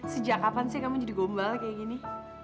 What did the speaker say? sejak kapan sih kamu jadi gombal kayak gini